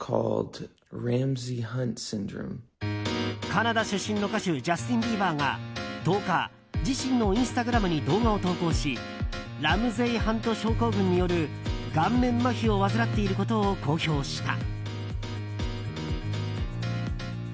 カナダ出身の歌手ジャスティン・ビーバーが１０日、自身のインスタグラムに動画を投稿しラムゼイ・ハント症候群による顔面まひを患っていることを公表した。